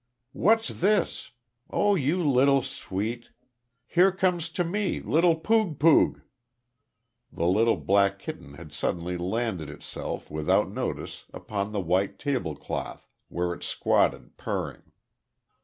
"What's this? Oh you little sweet. Here come to me, little pooge pooge!" The little black kitten had suddenly landed itself, without notice, upon the white tablecloth, where it squatted, purring.